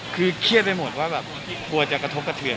คือเครียดไปหมดว่าแบบกลัวจะกระทบกระเทือน